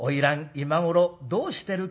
今頃どうしてるかな？」。